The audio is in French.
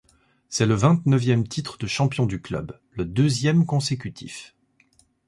C’est le vingt-neuvième titre de champion du club, le deuxième consécutif.